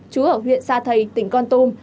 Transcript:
chú ở huyện sa thầy tỉnh con tôm